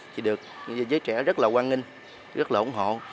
người dưới trẻ rất là quan nghênh rất là ủng hộ